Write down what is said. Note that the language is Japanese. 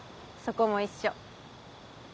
そこも一緒。